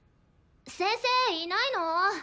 先生いないの？